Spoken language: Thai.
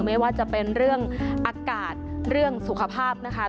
ไม่ว่าจะเป็นเรื่องอากาศเรื่องสุขภาพนะคะ